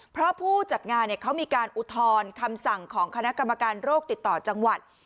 เพราะผู้จัดงานเขามีการอุทธรณ์คำสั่งของคณะกรรมการโรคติดต่อจังหวัด